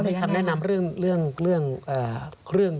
มาก่อนก็มาเลยครับผมมีคำแนะนำเรื่อง